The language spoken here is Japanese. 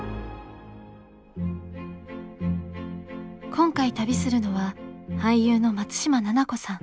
今回旅するのは俳優の松嶋菜々子さん。